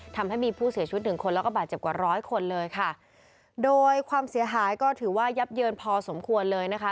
ทำให้มีผู้เสียชีวิตหนึ่งคนแล้วก็บาดเจ็บกว่าร้อยคนเลยค่ะโดยความเสียหายก็ถือว่ายับเยินพอสมควรเลยนะคะ